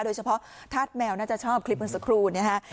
โดยเฉพาะทาสแมวน่าจะชอบคลิปมันสักครู่